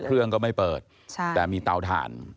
เครื่องก็ไม่เปิดแต่มีเตาถ่าน